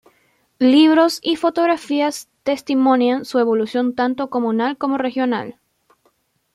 Libros y fotografías testimonian su evolución tanto comunal como regional.